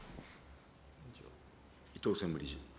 伊藤専務理事。